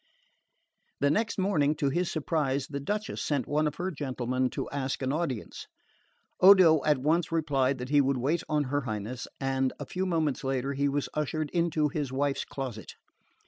The next morning, to his surprise, the Duchess sent one of her gentlemen to ask an audience. Odo at once replied that he would wait on her Highness; and a few moments later he was ushered into his wife's closet.